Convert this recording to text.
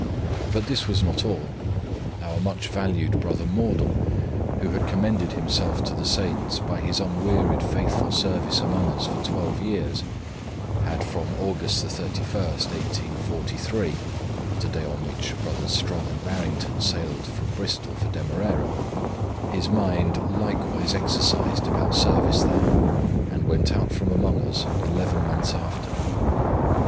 But this was not all. Our much valued brother Mordal, who had commended himself to the saints by his unwearied faithful service among us for twelve years, had from Aug. 31, 1843, (the day on which brothers Strong and Barrington sailed from Bristol for Demerara), his mind likewise exercised about service there, and went out from among us eleven months after.